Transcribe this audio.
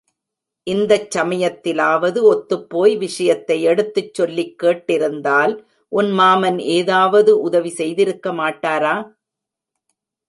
இந்தச் சமயத்திலாவது ஒத்துப்போய் விஷயத்தை எடுத்துச் சொல்லிக் கேட்டிருந்தால் உன் மாமன், ஏதாவது உதவி செய்திருக்க மாட்டாரா?